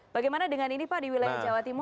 bagaimana dengan ini pak di wilayah jawa timur